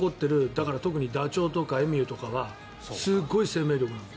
だから、特にダチョウとかエミューとかはすごい生命力なの。